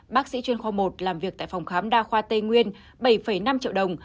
bác sĩ chuyên khoa một làm việc tại phòng khám đa khoa tây nguyên bảy năm triệu đồng